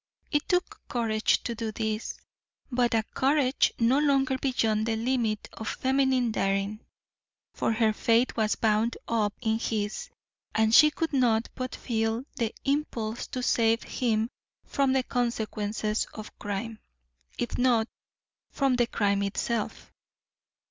It took courage to do this, but a courage no longer beyond the limit of feminine daring, for her fate was bound up in his and she could not but feel the impulse to save him from the consequences of crime, if not from the crime itself.